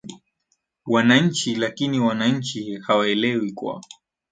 wananchi lakini wananchi hawaelewi kwa